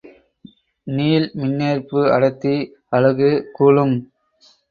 நீள் மின்னேற்பு அடர்த்தி அலகு கூலும்.